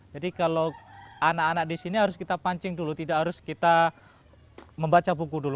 jadi kalau anak anak di sini harus kita pancing dulu tidak harus kita membaca buku dulu